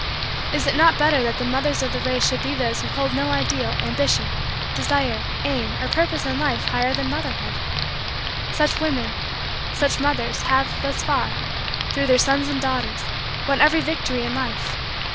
Is it not better that the mothers of the race should be those who hold no ideal, ambition, desire, aim, or purpose in life higher than motherhood? Such women such mothers have, thus far, through their sons and daughters, won every victory in Life.